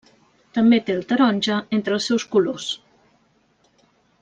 També té el taronja entre els seus colors.